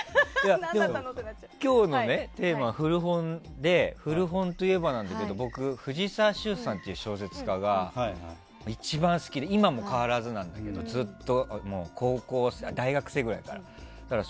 今日のテーマが古本で古本といえばなんだけど僕、フジサワ・シュウさんという小説家が一番好きで今も変わらずなんだけどずっと大学生ぐらいから。